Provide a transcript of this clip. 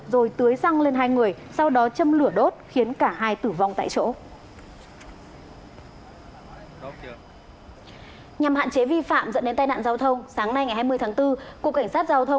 rồi tưới xăng lên hai người sau đó châm lửa đốt khiến cả hai tử vong tại chỗ